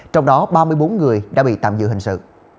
trong đó ba mươi bốn người đã bị tạm giữ hình sự